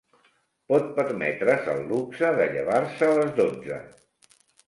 Pot permetre's el luxe de llevar-se a les dotze.